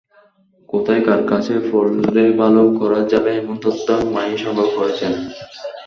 কোথায় কার কাছে পড়লে ভালো করা যাবে এমন তথ্য মা-ই সংগ্রহ করেছেন।